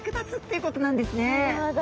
なるほど！